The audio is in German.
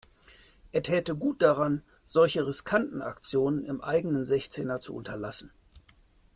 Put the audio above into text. Er täte gut daran, solche riskanten Aktionen im eigenen Sechzehner zu unterlassen.